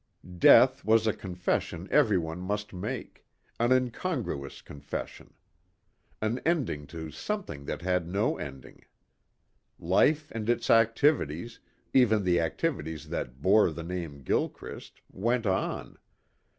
Death was a confession everyone must make; an incongruous confession. An ending to something that had no ending. Life and its activities, even the activities that bore the name Gilchrist, went on.